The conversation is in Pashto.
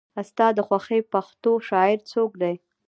ستا د خوښې پښتو شاعر څوک دی؟